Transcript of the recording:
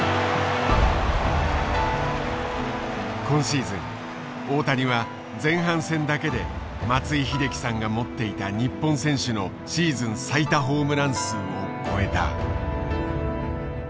今シーズン大谷は前半戦だけで松井秀喜さんが持っていた日本選手のシーズン最多ホームラン数を超えた。